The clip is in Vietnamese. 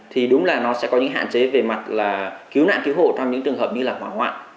thì đúng là nó sẽ có những hạn chế về mặt là cứu nạn cứu hộ trong những trường hợp như là hỏa hoạn